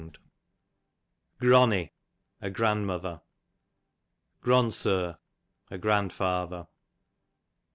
87 Gronny, a grandmuiher. Gronsur, a grandfather.